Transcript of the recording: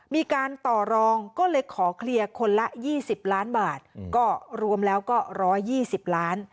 มีการต่อรองก็เลยขอเคลียร์คนละ๒๐ล้านบาทก็รวมแล้วก็๑๒๐ล้าน